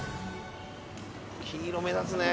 黄色目立つね。